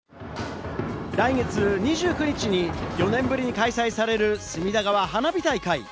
来月２９日に４年ぶりに開催される隅田川花火大会。